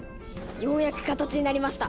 ようやく形になりました！